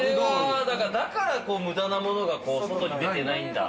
だから、こう無駄なものが外に出てないんだ。